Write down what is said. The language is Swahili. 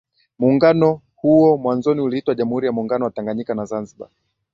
Muungano huo mwanzoni uliitwa Jamhuri ya Muungano wa Tanganyika na Zanzibar